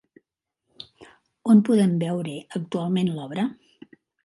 On podem veure actualment l'obra?